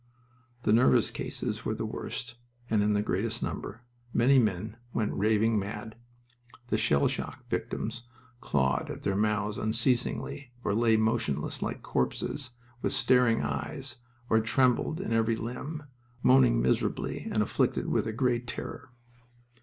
The nervous cases were the worst and in greatest number. Many men went raving mad. The shell shock victims clawed at their mouths unceasingly, or lay motionless like corpses with staring eyes, or trembled in every limb, moaning miserably and afflicted with a great terror.